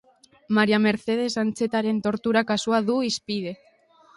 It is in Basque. Maria Mercedes Antxetaren tortura kasua du hizpide.